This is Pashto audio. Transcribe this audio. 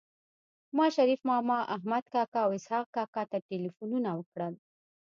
ما شريف ماما احمد کاکا او اسحق کاکا ته ټيليفونونه وکړل